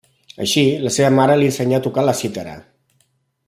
Així, la seva mare li ensenyà a tocar la cítara.